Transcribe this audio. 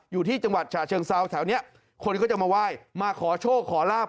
อยู่ที่จังหวัดฉะเชิงเซาแถวนี้คนก็จะมาไหว้มาขอโชคขอลาบ